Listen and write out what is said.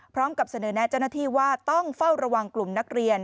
พร้อมกับเสนอแนะเจ้าหน้าที่ว่าต้องเฝ้าระวังกลุ่มนักเรียน